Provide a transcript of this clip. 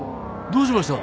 どうしました？